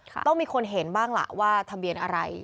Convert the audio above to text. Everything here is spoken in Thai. ต้องมีคนเห็นบ้างล่ะว่าทะเบียนอะไร